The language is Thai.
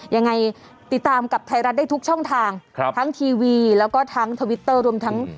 ยังไงติดตามกับไทยรัฐได้ทุกช่องทางครับทั้งทีวีแล้วก็ทั้งทวิตเตอร์รวมทั้ง